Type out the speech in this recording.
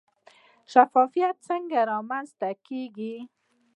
شفافیت څنګه رامنځته کیږي؟